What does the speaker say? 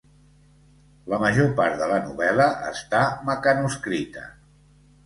La major part de la novel·la està mecanoscrita.